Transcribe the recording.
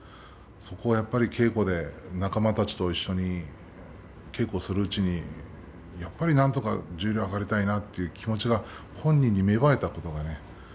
そこをやっぱり稽古で仲間たちと一緒に稽古をするうちにやっぱりなんとか十両に上がりたいという気持ちが本人に芽生えたということ。